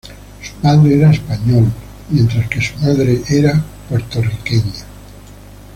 Su padre era español, mientras que su madre era puertorriqueña.